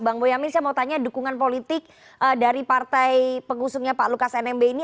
bang boyamin saya mau tanya dukungan politik dari partai pengusungnya pak lukas nmb ini